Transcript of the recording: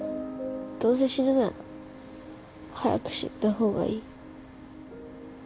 どうせ死ぬなら早く死んだ方がいい。